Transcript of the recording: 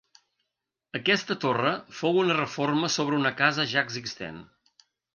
Aquesta torre fou una reforma sobre una casa ja existent.